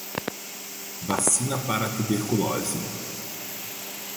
Vacina para tuberculose